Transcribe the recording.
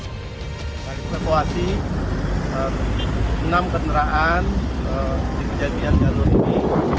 ketika penumpang mengevakuasi enam kendaraan diperjadian jalur ini